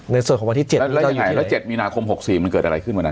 ในส่วนของวันที่๗แล้วยังไงแล้ว๗มีนาคม๖๔มันเกิดอะไรขึ้นวันนั้น